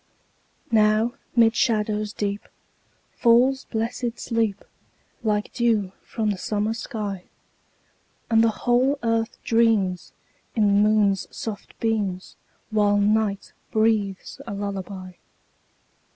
Now 'mid shadows deep Falls blessed sleep, Like dew from the summer sky; And the whole earth dreams, In the moon's soft beams, While night breathes a lullaby.